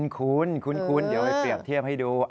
คุ้นเดี๋ยวไปเปรียบเทียบให้ดู